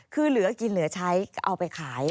คือเหลือกินเหลือใช้เอาไปขาย